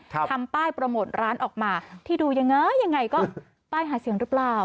ทำป้ายโปรโมทร้านออกมาที่ดูยังไงยังไงก็ป้ายหาเสียงหรือเปล่า